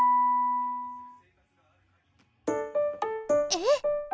えっ？